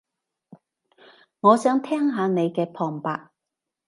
我想聽下你嘅旁白